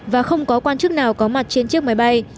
và không có quan chức nào có máy bay